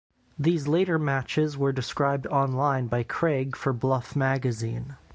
These later matches were described online by Craig for Bluff Magazine.